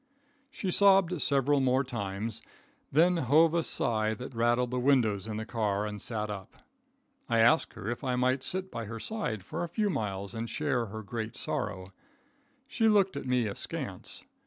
She sobbed several more times, then hove a sigh that rattled the windows in the car, and sat up. I asked her if I might sit by her side for a few miles and share her great sorrow. She looked at me askance.